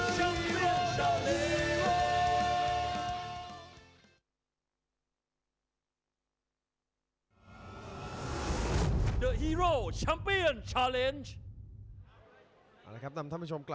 จังหวาดึงซ้ายตายังดีอยู่ครับเพชรมงคล